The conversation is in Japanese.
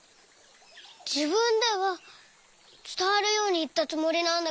じぶんではつたわるようにいったつもりなんだけど。